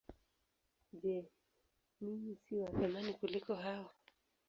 Je, ninyi si wa thamani kuliko hao?